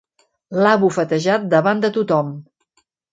L'ha bufetejat davant de tothom.